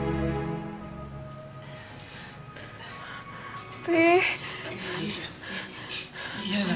dan umurnya gak akan lama lagi